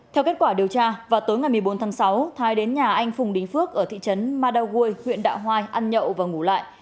theo kết quả điều tra vào tối ngày một mươi bốn tháng sáu thái đến nhà anh phùng đinh phước ở thị trấn madaway huyện đạ hoai ăn nhậu và ngủ lại